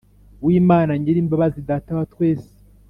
W'Imana nyirimbabazi, data wa twese